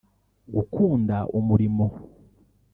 gukunda umurimo